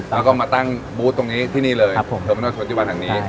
แล้วก็มาตั้งบูตตรงนี้ที่นีเลยครับผมที่ไหน